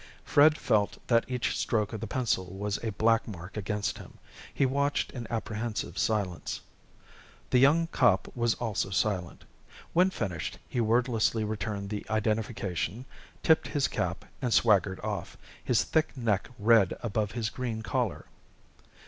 Fred felt that each stroke of the pencil was a black mark against him. He watched in apprehensive silence. The young cop was also silent. When finished he wordlessly returned the identification, tipped his cap, and swaggered off, his thick neck red above his green collar.